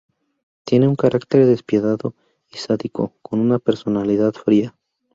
Tiene un carácter despiadado y sádico con una personalidad fría.